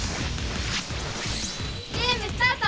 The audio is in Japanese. ゲームスタート！